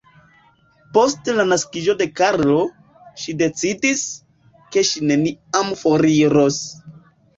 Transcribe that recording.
Post la naskiĝo de Karlo, ŝi decidis, ke ŝi neniam foriros.